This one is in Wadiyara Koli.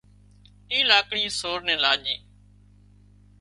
اي لاڪڙي سور نين لاڄي